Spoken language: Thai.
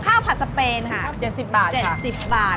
ข้าวผัดสเปนค่ะ๗๐บาท